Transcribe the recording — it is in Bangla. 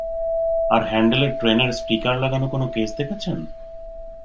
আর হ্যান্ডেলে ট্রেনের স্টিকার লাগানো কোনো কেস দেখেছেন?